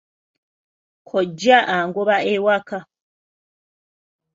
Kkojja angoba ewaka.